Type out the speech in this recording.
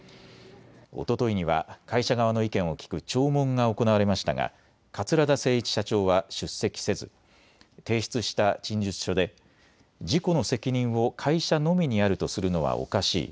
おとといには会社側の意見を聞く聴聞が行われましたが桂田精一社長は出席せず提出した陳述書で事故の責任を会社のみにあるとするのはおかしい。